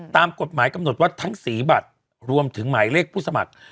ตามกฎหมายกำหนดว่าทั้งสีบัตรรวมถึงหมายเลขผู้สมัคร